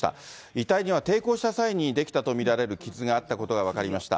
遺体には抵抗した際に出来たと見られる傷があったことが分かりました。